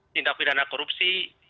tindak pidana korupsi